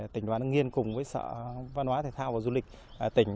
tỉnh hưng yên cùng với sở văn hóa thể thao và du lịch tỉnh